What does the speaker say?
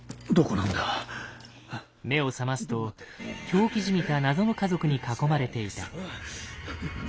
目を覚ますと狂気じみた謎の家族に囲まれていた。